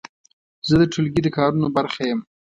زه د ټولګي د کارونو برخه یم.